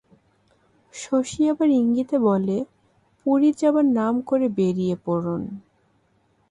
শশী আবার ইঙ্গিতে বলে, পুরী যাবার নাম করে বেরিয়ে পড়ুন।